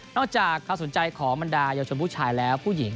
นอกจากเกี่ยวกับสนใจของมรรดา้อยชนผู้ชายและผู้หญิง